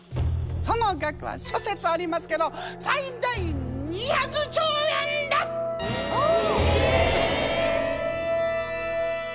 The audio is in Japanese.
その額は諸説ありますけど最大２００兆円です！え！